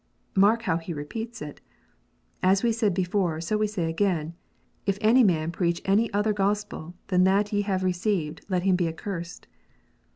Mark how he repeats it: "As we said before, so we say again, If any man preach any other Gospel than that ye have received, let him be accursed."